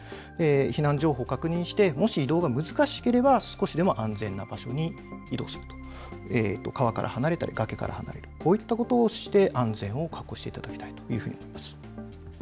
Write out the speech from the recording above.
避難情報を確認して、もし移動が難しければ少しでも安全な場所に移動する、川から離れたり崖から離れたりこういったことをして安全を確保していただきたいというふうに思います。